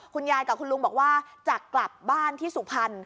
คุณยายกับคุณลุงบอกว่าจะกลับบ้านที่สุพรรณ